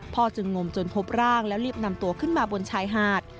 จึงงมจนพบร่างแล้วรีบนำตัวขึ้นมาบนชายหาด